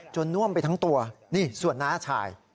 น่วมไปทั้งตัวนี่ส่วนน้าชาย